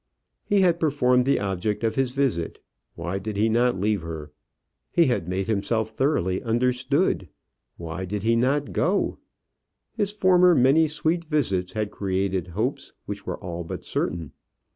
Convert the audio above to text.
He had performed the object of his visit; why did he not leave her? He had made himself thoroughly understood; why did he not go? His former many sweet visits had created hopes which were all but certain.